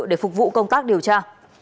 để phục vụ công tác điều tra